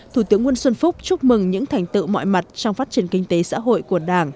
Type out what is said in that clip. thủ tướng nguyễn xuân phúc chúc mừng những thành tựu mọi mặt trong phát triển kinh tế xã hội của đảng